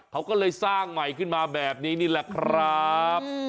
เขาก็เลยสร้างใหม่ขึ้นมาแบบนี้นี่แหละครับ